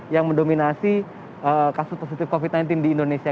yang mendominasi kasus positif covid sembilan belas di indonesia